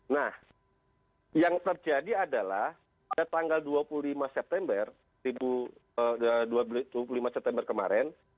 nah yang terjadi adalah pada tanggal dua puluh lima september kemarin